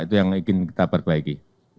itu yang ingin kita perbaiki